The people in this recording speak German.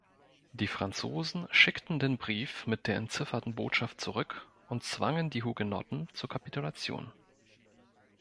Die Franzosen schickten den Brief mit der entzifferten Botschaft zurück und zwangen die Hugenotten zur Kapitulation.